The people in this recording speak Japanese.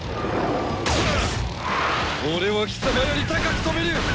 俺は貴様より高く飛べる！